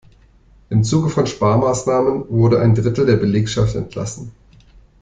Im Zuge von Sparmaßnahmen wurde ein Drittel der Belegschaft entlassen.